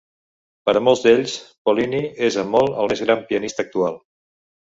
Per a molts d'ells, Pollini és amb molt el més gran pianista actual.